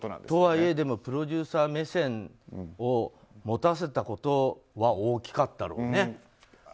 とはいえプロデューサー目線を持たせたことは大きかったろうね。